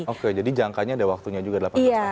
oke jadi jangkanya ada waktunya juga delapan belas tahun